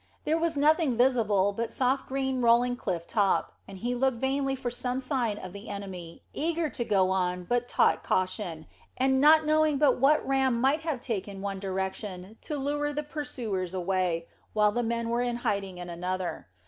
There was nothing visible but soft green rolling cliff top, and he looked vainly for some sign of the enemy, eager to go on, but taught caution, and not knowing but what Ram might have taken one direction to lure the pursuers away, while the men were in hiding in another.